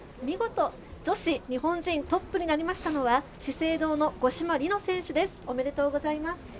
見事、女子日本人トップになりましたのは資生堂の五島莉乃選手です、おめでとうございます。